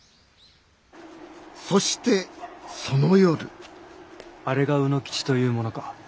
そしてその夜あれが卯之吉という者か？